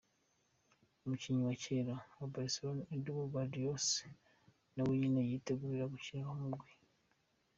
Umukinyi wa kera wa Barcelone, Eidur Gudjohnsen na we nyene yiteguriye gukinira uwo mugwi.